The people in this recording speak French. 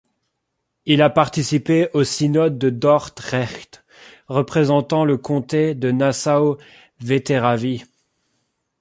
Il a participé au synode de Dordrecht, représentant le comté de Nassau-Vettéravie.